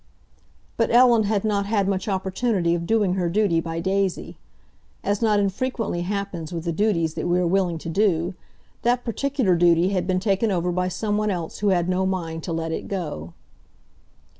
But Ellen had not had much opportunity of doing her duty by Daisy. As not infrequently happens with the duties that we are willing to do, that particular duty had been taken over by someone else who had no mind to let it go.